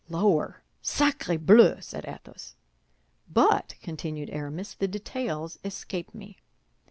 "Lower! sacré bleu!" said Athos. "But," continued Aramis, "the details escape me."